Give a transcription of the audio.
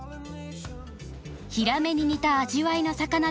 ヒラメに似た味わいの魚です。